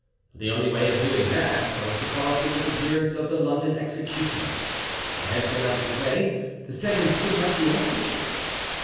The only way of doing that was to cause the disappearance of the London executioner. The headsman out of the way, the sentence could not be executed.